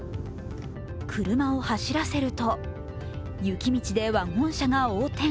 車を走らせると、雪道でワゴン車が横転。